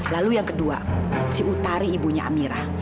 lalu yang kedua si utari ibunya amirah